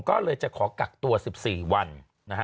ก็เลยจะขอกักตัว๑๔วันนะฮะ